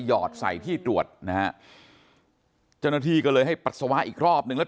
หอดใส่ที่ตรวจนะฮะเจ้าหน้าที่ก็เลยให้ปัสสาวะอีกรอบนึงแล้ว